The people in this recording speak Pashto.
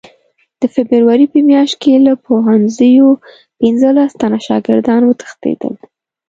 د فبروري په میاشت کې له پوهنځیو پنځلس تنه شاګردان وتښتېدل.